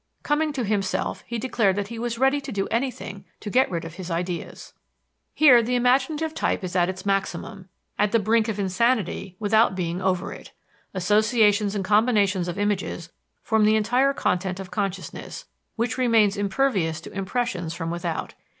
Coming to himself, he declared that he was ready to do anything to get rid of his ideas." Here the imaginative type is at its maximum, at the brink of insanity without being over it. Associations and combinations of images form the entire content of consciousness, which remains impervious to impressions from without.